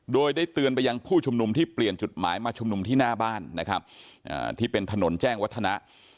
โดยได้เตือนไปยังผู้ชุมนุมที่เปลี่ยนจุดหมายมาชุมนุมที่หน้าบ้านนะครับที่เป็นถนนแจ้งวัฒนะ